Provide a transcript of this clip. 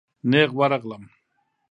نېغ ورغلم.